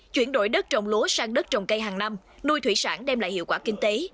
chuyển đổi đất trồng lúa sang đất trồng cây hàng năm nuôi thủy sản đem lại hiệu quả kinh tế